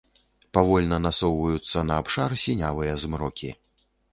Павольна насоўваюцца на абшар сінявыя змрокі.